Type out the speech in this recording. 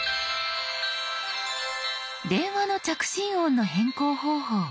電話の着信音の変更方法。